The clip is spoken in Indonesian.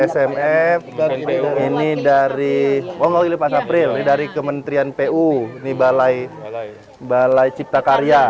smf ini dari wonggok ilipan april dari kementerian pu di balai balai ciptakarya